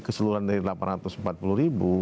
keseluruhan dari delapan ratus empat puluh ribu